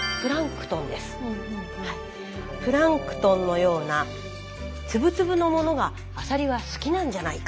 プランクトンのような粒々のものがアサリは好きなんじゃないか。